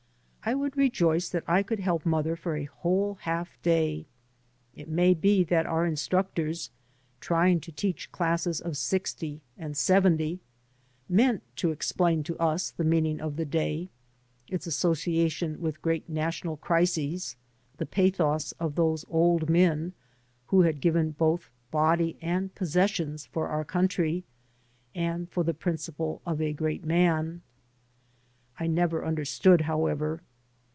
I would rejoice that I could help mother for a whole half day. It may be that our instructors, trying to teach classes of sixty and seventy, meant to explain to us the meaning of the day, its association with great national crises, the pathos of those old men who had given both body and possessions for our country, and for the principle of a great man. I never understood, however.